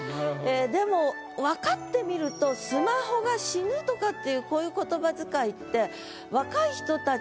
でも分かってみると「スマホが死ぬ」とかっていうこういう言葉遣いって。